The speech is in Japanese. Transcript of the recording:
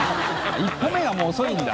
一歩目がもう遅いんだ。